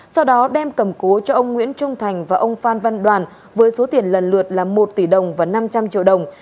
sau đó đem cầm cố cho ông nguyễn trung thành và ông phan văn đoàn với số tiền lần lượt là một tỷ đồng và năm trăm linh triệu đồng